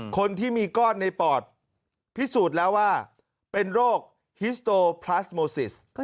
คนที่มีก้อนในปอดพิสูจน์แล้วว่าเป็นโรคฮิสโตพลาสโมซิส